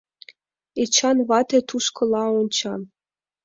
Эчан вате тушкыла онча.